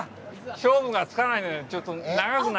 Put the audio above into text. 勝負がつかないので流します。